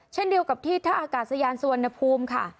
เช่นเดียวกับที่ท่าอากาศยานสุวรรณภูมิค่ะ